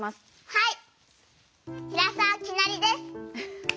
はい。